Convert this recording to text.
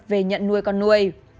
về nhận nuôi con nuôi